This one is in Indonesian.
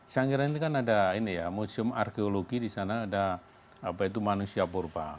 sangiran ini kan ada museum arkeologi di sana ada manusia purba